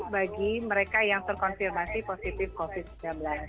bagi mereka yang terkonfirmasi positif covid sembilan belas